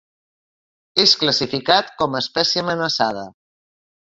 És classificat com a espècie amenaçada.